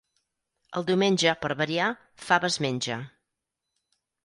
El diumenge, per variar, faves menja.